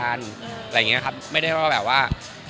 อะไรอย่างนี้ครับไม่ได้ว่าแบบว่า